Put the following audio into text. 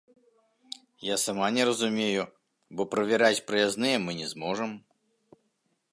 Я сама не разумею, бо правяраць праязныя мы не зможам.